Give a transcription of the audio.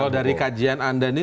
kalau dari kajian anda ini